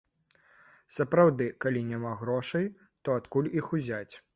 Сапраўды, калі няма грошай, то адкуль іх узяць.